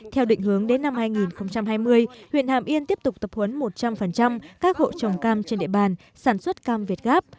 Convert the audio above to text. theo định hướng đến năm hai nghìn hai mươi huyện hàm yên tiếp tục tập huấn một trăm linh các hộ trồng cam trên địa bàn sản xuất cam việt gáp